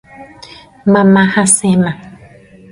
Mama hasẽma.